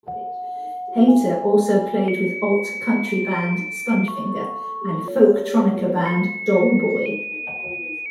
Hayter also played with alt-country band Spongefinger and folktronica band Dollboy.